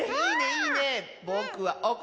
いいね。